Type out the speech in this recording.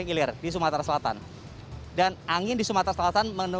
jadi kita bisa melihat bahwa angin di sumatera selatan